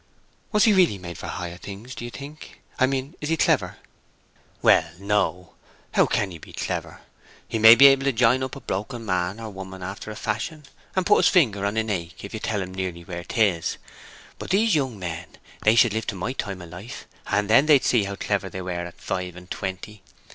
"Was he really made for higher things, do you think? I mean, is he clever?" "Well, no. How can he be clever? He may be able to jine up a broken man or woman after a fashion, and put his finger upon an ache if you tell him nearly where 'tis; but these young men—they should live to my time of life, and then they'd see how clever they were at five and twenty!